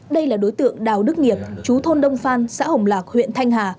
đây là đối tượng đào đức nghiệp chú thôn đông phan xã hồng lạc huyện thanh hà